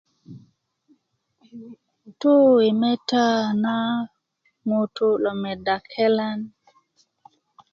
tu na yi meda na ɲutu' lo meda kelan